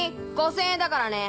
５０００円だからね！